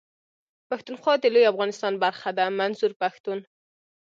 پښتونخوا د لوی افغانستان برخه ده منظور پښتون.